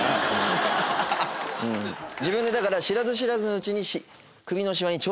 自分でだから知らず知らずのうちに。